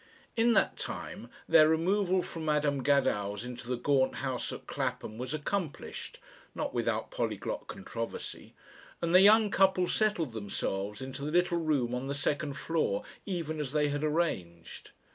In that time their removal from Madam Gadow's into the gaunt house at Clapham was accomplished not without polyglot controversy and the young couple settled themselves into the little room on the second floor even as they had arranged.